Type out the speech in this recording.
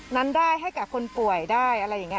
นั้นได้ให้กับคนป่วยได้อะไรอย่างนี้